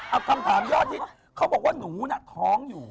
เอาคำถามยอดฮิตเขาบอกว่าหนูน่ะท้องอยู่